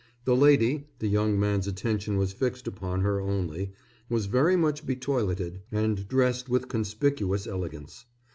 The lady the young man's attention was fixed upon her only was very much betoiletted and dressed with conspicuous elegance.